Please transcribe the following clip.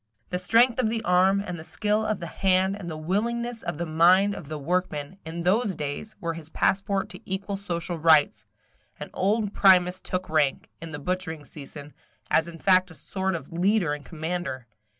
The strength of the arm, and the skill of the hand, and the willingness of the mind of the workman, in those days, were his passport to equal social rights; and old Primus took rank, in the butchering season, as in fact a sort of leader and commander.